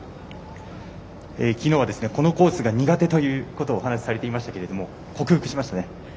きのうはこのコースが苦手ということをお話されていましたけれども克服しましたね。